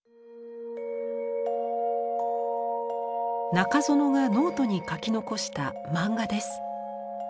中園がノートに描き残したマンガです。